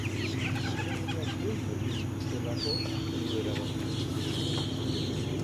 Argazkiak kendu egin dituztelako hartu du erabaki hori.